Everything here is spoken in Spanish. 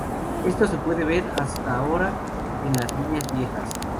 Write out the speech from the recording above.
Eso se puede ver hasta ahora en las viñas viejas.